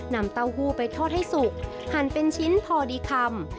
เต้าหู้ไปทอดให้สุกหั่นเป็นชิ้นพอดีคำ